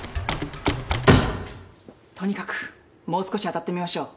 とにかくもう少し当たってみましょう。